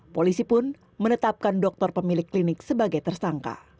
polisi pun menetapkan doktor pemilik klinik sebagai tersangka